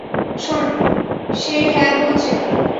শোন, সে হ্যাঁ বলছে।